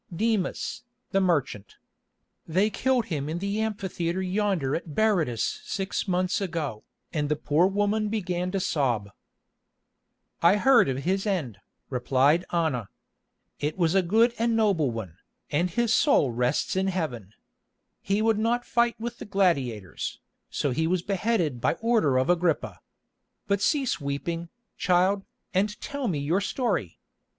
"Demas, the merchant. They killed him in the amphitheatre yonder at Berytus six months ago," and the poor woman began to sob. "I heard of his end," replied Anna. "It was a good and noble one, and his soul rests in Heaven. He would not fight with the gladiators, so he was beheaded by order of Agrippa. But cease weeping, child, and tell me your story.